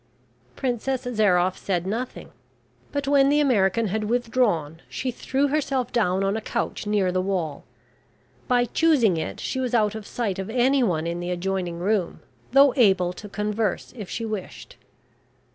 Princess Zairoff said nothing. But when the American had withdrawn, she threw herself down on a couch near the wall. By choosing it she was out of sight of anyone in the adjoining room, though able to converse if she wished.